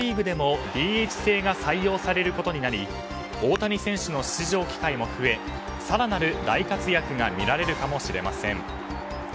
でもＤＨ制が採用されることになり大谷選手の出場機会も増え更なる大活躍が見られるかもしれません。